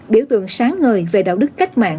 biểu tượng sáng ngời về đạo đức cách mạng